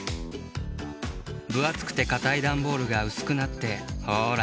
ぶあつくてかたいダンボールがうすくなってほら